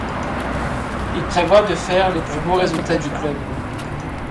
Il prévoit de faire les plus beaux résultats du club.